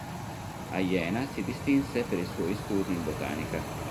A Jena si distinse per i suoi studi in botanica.